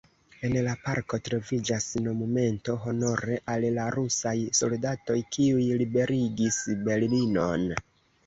En la parko troviĝas monumento honore al la rusaj soldatoj, kiuj liberigis Berlinon.